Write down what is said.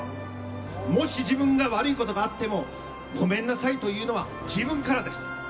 もし自分が悪いことがあってもごめんなさいと言うのは自分からです。